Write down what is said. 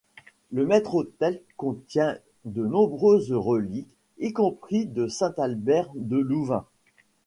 Le maître-autel contient de nombreuses reliques, y compris de saint Albert de Louvain.